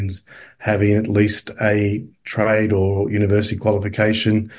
memiliki setidaknya kualifikasi perusahaan atau universitas